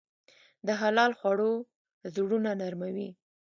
د حلال خوړو زړونه نرموي.